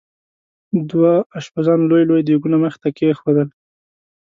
دوه اشپزانو لوی لوی دیګونه مخې ته کېښودل.